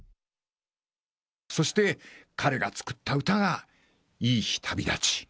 そして彼が作った歌が、いい日旅立ち。